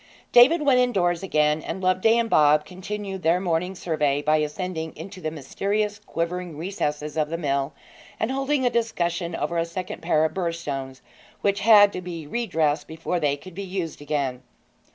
David went indoors again, and Loveday and Bob continued their morning survey by ascending into the mysterious quivering recesses of the mill, and holding a discussion over a second pair of burr stones, which had to be re dressed before they could be used again.